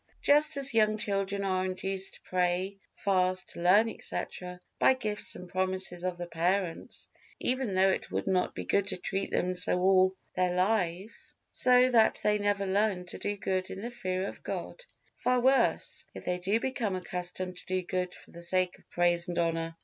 Just as young children are induced to pray, fast, learn, etc., by gifts and promises of the parents, even though it would not be good to treat them so all their lives, so that they never learn to do good in the fear of God: far worse, if they become accustomed to do good for the sake of praise and honor.